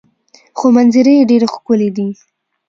خو منظرې یې ډیرې ښکلې دي.